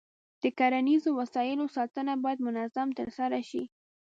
د کرنیزو وسایلو ساتنه باید منظم ترسره شي.